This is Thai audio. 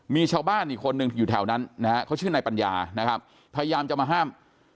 มีชาวบ้านอีกคนนึงอยู่แถวนั้นนะฮะเขาชื่อนายปัญญานะครับพยายามจะมาห้าม